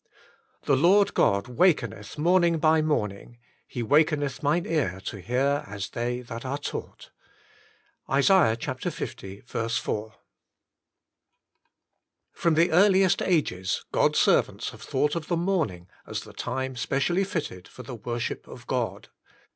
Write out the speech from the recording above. The Lord God wakeneth morning by morning, He wakeneth mine ear to hear as they that are taught." — Is. 1. 4. From the earliest ages God's servants have thought of the morning as the time specially fitted for the worship of God.